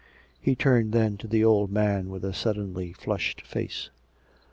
He turned then to the old man with a suddenly flushed face.